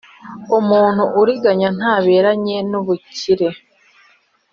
Umuntu uriganya ntaberanye n’ubukire,